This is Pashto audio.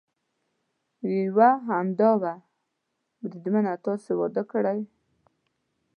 یې یو همدا و، بریدمنه تاسې واده کړی؟